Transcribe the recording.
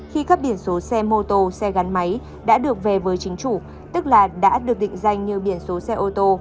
khi các biển số xe mô tô xe gắn máy đã được về với chính chủ tức là đã được định danh như biển số xe ô tô